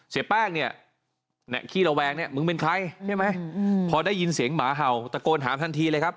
เสียแป้งเนี่ยขี้ระแวงเนี่ยมึงเป็นใครใช่ไหมพอได้ยินเสียงหมาเห่าตะโกนถามทันทีเลยครับ